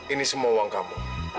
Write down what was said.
ini semua uang kamu